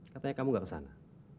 katanya kamu tidak ke sana